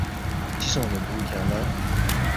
چِہ سونگ لے بُو کھیانگ لہ؟